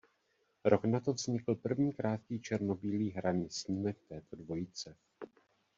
Rok nato vznikl první krátký černobílý hraný snímek této dvojice.